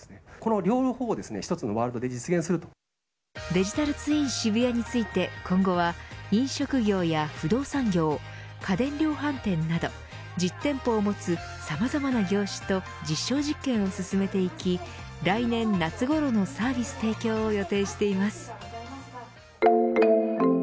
デジタルツイン渋谷について今後は飲食業や不動産業家電量販店など実店舗を持つさまざまな業種と実証実験を進めていき来年夏ごろのサービス提供を予定しています。